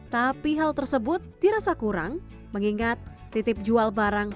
tapi hal tersebut dirasa kurang mengingat titip jual barang